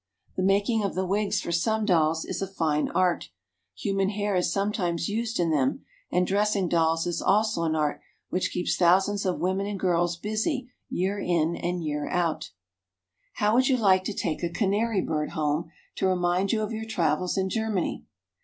The making of the wigs for some dolls is a fine art ; human hair is sometimes used in them ; and dressing dolls is also an art which keeps thousands of women and girls busy year in and year out RURAL AND MANUFACTURING GERMANY. 2$t How would you like to take a canary bird home to re mind you of your travels in Germany?